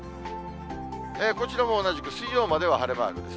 こちらも同じく水曜までは晴れマークです。